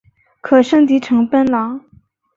可升级成奔狼。